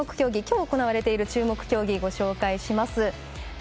今日行われている注目競技ご紹介します。